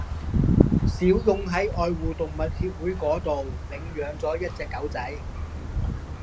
小勇喺愛護動物協會嗰度領養咗一隻狗仔